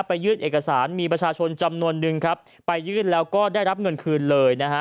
ยื่นเอกสารมีประชาชนจำนวนนึงครับไปยื่นแล้วก็ได้รับเงินคืนเลยนะฮะ